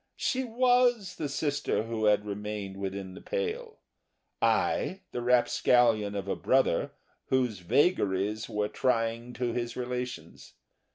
She was the sister who had remained within the pale; I, the rapscallion of a brother whose vagaries were trying to his relations.